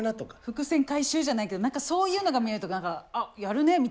伏線回収じゃないけど何かそういうのが見えると何か「あっやるね」みたいなことだ。